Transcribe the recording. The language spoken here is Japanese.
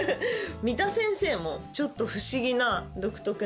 三田先生もちょっと不思議な独特な。